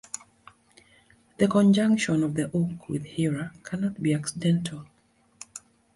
The conjunction of the oak with Hera cannot be accidental.